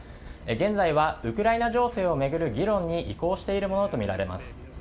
現在は、ウクライナ情勢を巡る議論に移行しているものとみられます。